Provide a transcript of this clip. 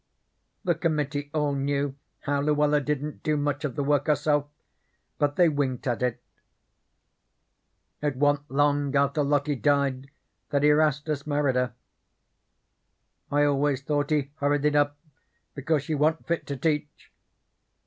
The committee all knew how Luella didn't do much of the work herself, but they winked at it. It wa'n't long after Lottie died that Erastus married her. I always thought he hurried it up because she wa'n't fit to teach.